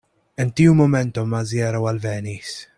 En tiu momento Maziero alvenis.